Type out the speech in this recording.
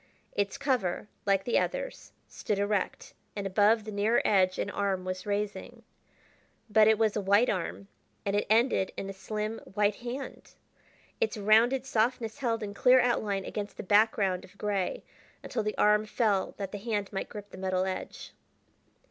Its cover, like the others, stood erect, and above the nearer edge an arm was raising. But it was a white arm, and it ended in a slim, white hand! its rounded softness held in clear outline against the back ground of gray, until the arm fell that the hand might grip the metal edge.